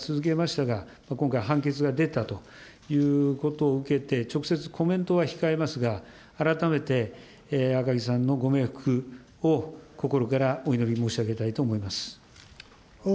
こうした説明責任は続けましたが、今回、判決が出たということを受けて、直接コメントは控えますが、改めて赤木さんのご冥福を心からお祈り申し上げたいと思います。